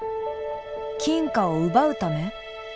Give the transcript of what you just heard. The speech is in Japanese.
金貨を奪うため？